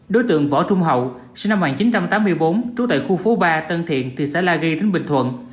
đối tượng võ trung hậu sinh năm một nghìn chín trăm tám mươi bốn trú tại khu phố ba tân thiện thị xã la ghi tỉnh bình thuận